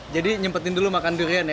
jadi nyempetin dulu makan durian